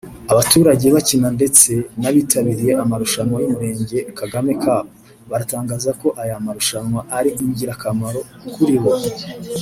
Abaturage bakina ndetse n’abitabira amarushanwa y’Umurenge Kagame Cup baratangaza ko aya marushanwa ari ingirakamaro kuribo